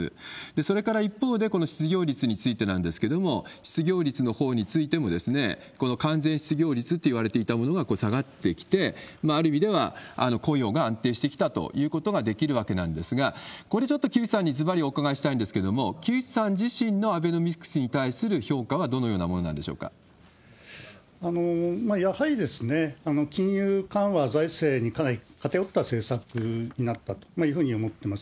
それから一方で、この失業率についてなんですけれども、失業率のほうについても、この完全失業率っていわれていたものが下がってきて、ある意味では雇用が安定してきたということができるわけなんですが、これ、ちょっと木内さんにずばりお伺いしたいんですが、木内さん自身のアベノミクスに対する評価はどのようなものなんでしょやはり金融緩和、財政にかなり偏った政策になったと思います。